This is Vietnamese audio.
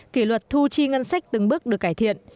kỷ luật thu chi ngân sách từng bước được cải thiện